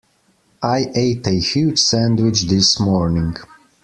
I ate a huge sandwich this morning.